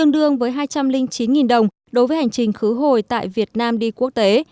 chín đồng đối với hành trình khứ hồi tại việt nam đi quốc tế